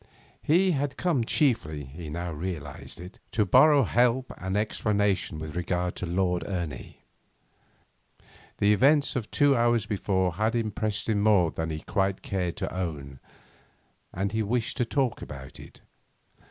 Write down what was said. He had come chiefly he now realised it to borrow help and explanation with regard to Lord Ernie; the events of two hours before had impressed him more than he quite cared to own, and he wished to talk about it.